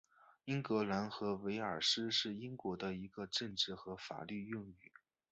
英格兰和威尔斯是英国的一个政治和法律用语。